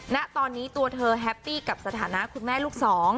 ณตอนนี้ตัวเธอแฮปปี้กับสถานะคุณแม่ลูกสอง